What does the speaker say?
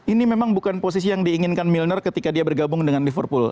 ini memang bukan posisi yang diinginkan milner ketika dia bergabung dengan liverpool